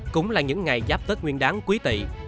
cũng là những ngày giáp tết nguyên đáng quý tị